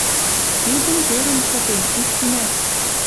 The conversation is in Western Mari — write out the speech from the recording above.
Тидӹм тӧрӹм попем, истинӓт.